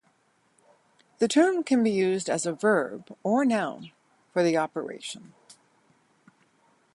The term can be used as a verb or noun for the operation.